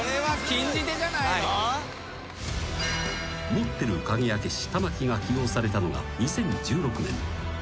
［持ってる鍵開け師玉置が起用されたのが２０１６年］